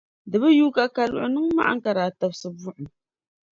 Di bi yuui ka Kaluɣi niŋ maɣim ka daa tabisi buɣum.